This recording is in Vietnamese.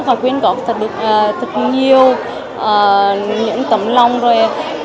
và quyên gọt được thật nhiều những tấm lòng rồi